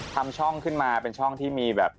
ทำช่องขึ้นมาเป็นช่องที่มีแบบ